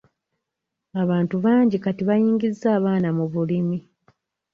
Abantu bangi kati bayingizza abaana mu bulimi.